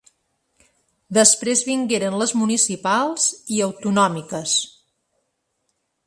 Després vingueren les municipals i autonòmiques.